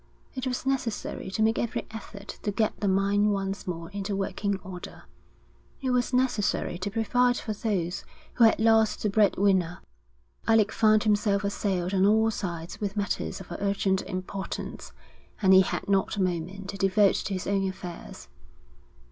It was necessary to make every effort to get the mine once more into working order; it was necessary to provide for those who had lost the breadwinner. Alec found himself assailed on all sides with matters of urgent importance, and he had not a moment to devote to his own affairs.